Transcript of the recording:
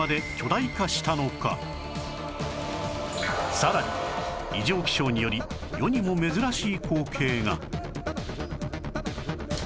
さらに異常気象により世にも珍しい光景が